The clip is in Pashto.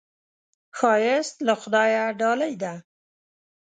ښایست له خدایه ډالۍ ده